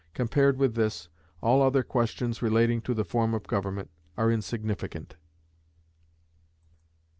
Compared with this, all other questions relating to the form of government are insignificant.